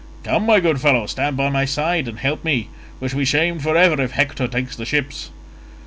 Come, my good fellow, stand by my side and help me, we shall be shamed for ever if Hector takes the ships."